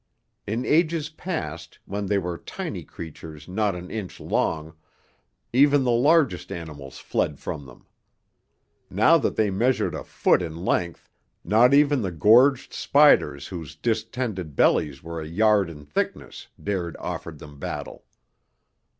In ages past, when they were tiny creatures not an inch long, even the largest animals fled from them. Now that they measured a foot in length, not even the gorged spiders whose distended bellies were a yard in thickness, dared offer them battle.